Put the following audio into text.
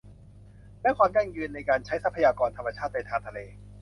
และความยั่งยืนในการใช้ทรัพยากรธรรมชาติทางทะเล